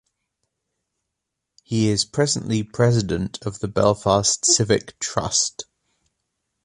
He is presently President of the Belfast Civic Trust.